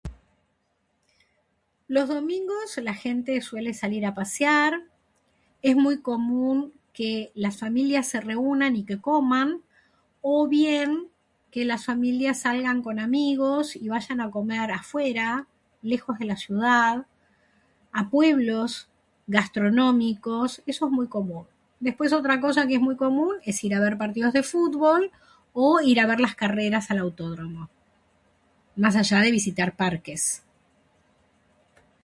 Los domingos la gente suele salir a pasear. Es muy común que las familias se reúnan y que coman o bien que las familias salgan con amigos y vayan a comer afuera, lejos de la ciudad, a pueblos gastronómicos; eso es muy común. Después otra cosa que es muy común es ir a ver partidos de fútbol o ir a ver las carreras al autódromo. Más allá de visitar parques.